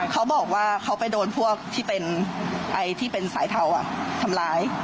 เขาบอกว่าเขาไปโดนพวกที่เป็นสายเทาทำร้าย